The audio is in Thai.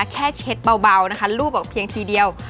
แค่เช็ดเบานะคะรูปออกเพียงทีเดียว